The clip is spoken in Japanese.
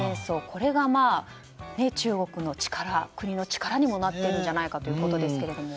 これが中国の力、国の力にもなっているんじゃないかということでしたけども。